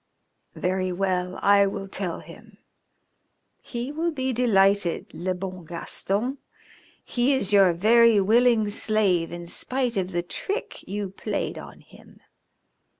"Very well, I will tell him. He will be delighted, le bon Gaston. He is your very willing slave in spite of the trick you played him.